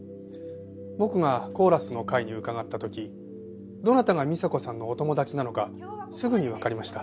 僕がコーラスの会に伺った時どなたが美沙子さんのお友達なのかすぐにわかりました。